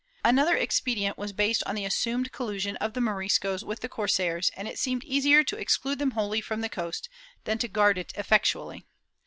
^ Another expedient was based on the assumed col lusion of the Moriscos with the corsairs, and it seemed easier to exclude them wholly from the coast than to guard it effectually.